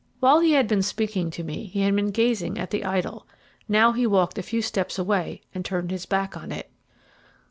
While he had been speaking to me he had been gazing at the idol; now he walked a few steps away and turned his back on it.